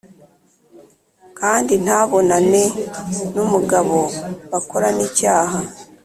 kandi ntabonane n’umugabo bakorana icyaha,